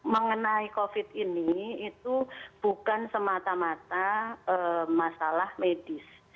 mengenai covid ini itu bukan semata mata masalah medis